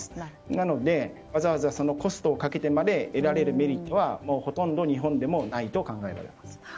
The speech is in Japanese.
なので、わざわざコストをかけてまで得られるメリットはほとんど日本でもないと考えられます。